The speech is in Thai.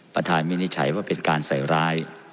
วินิจฉัยว่าเป็นการใส่ร้าย